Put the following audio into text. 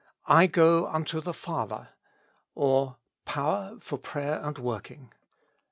♦* I go unto the Father I " or, Power for Praying and Working.